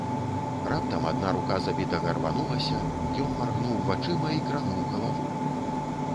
Раптам адна рука забітага рванулася, ён маргнуў вачыма і крануў галаву.